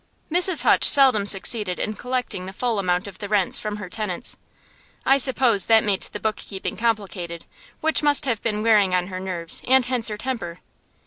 Mrs. Hutch seldom succeeded in collecting the full amount of the rents from her tenants. I suppose that made the bookkeeping complicated, which must have been wearing on her nerves; and hence her temper.